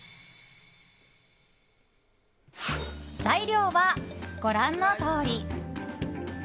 材料はご覧のとおり。